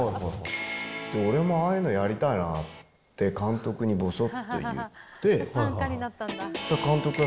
俺もああいうのやりたいなって監督にぼそっと言って、監督が